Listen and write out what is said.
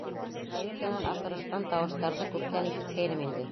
Каютанан аҡырышҡан тауыштарҙы күптән ишеткәйнем инде.